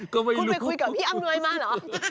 ก็ไม่รู้คุณไปคุยกับพี่อำนวยมาเหรอ